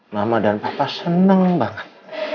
mama dan papa seneng banget